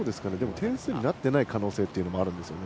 点数になっていない可能性もあるんですね。